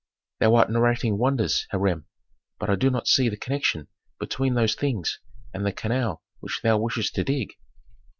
"Thou art narrating wonders, Hiram. But I do not see the connection between those things and the canal which thou wishest to dig."